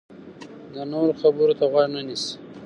د نورو خبرو ته غوږ نه نیسي.